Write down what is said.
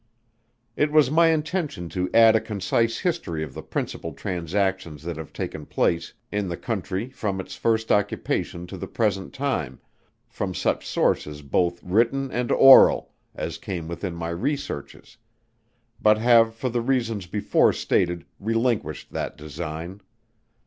It was my intention to add a concise history of the principal transactions that have taken place in the Country from its first occupation to the present time, from such sources both written and oral, as came within my researches; but have for the reasons before stated relinquished that design.